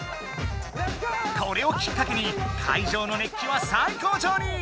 これをきっかけに会場のねっ気はさい高ちょうに。